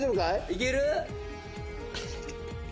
いける？